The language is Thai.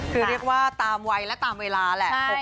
คือเรียกว่าตามวัยและตามเวลาแหละ